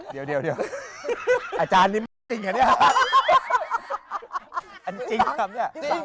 เดี๋ยวอาจารย์นี่ไม่จริงอ่ะเนี่ย